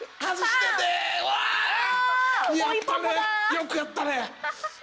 よくやったね！